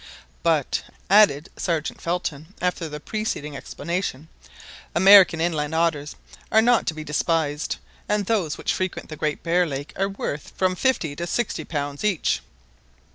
"But," added Sergeant Felton, after the preceding explanation, "American inland otters are not to be despised, and those which frequent the Great Bear Lake are worth from £50 to £60 each."